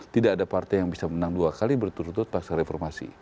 tidak ada partai yang bisa menang dua kali berturut turut pasca reformasi